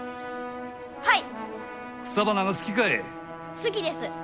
好きです。